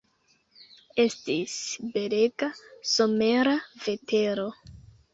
Estis belega, somera vetero.